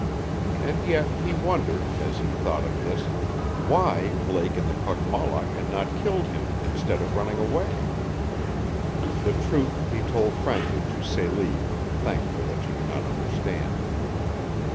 And yet he wondered, as he thought of this, why Blake and the Kogmollock had not killed him instead of running away. The truth he told frankly to Celie, thankful that she could not understand.